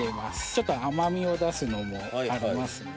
ちょっと甘みを出すのもありますんで。